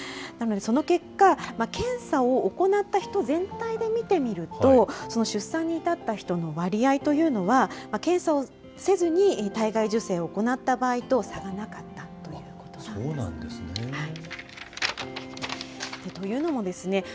その結果、検査を行った人全体で見てみると、出産に至った人の割合というのは、検査をせずに体外受精を行った場合と差がなかったということなんそうなんですね。